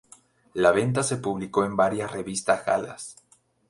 La venta se publicó en varias revistas galas.